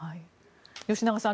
吉永さん